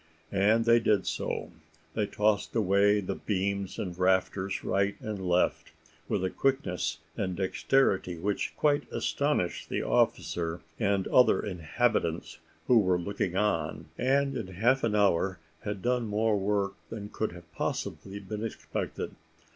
And they did so they tossed away the beams and rafters right and left, with a quickness and dexterity which quite astonished the officer and other inhabitants who were looking on; and in half an hour had done more work than could have possibly been expected.